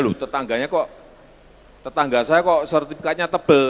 loh tetangganya kok tetangga saya kok sertifikatnya tebal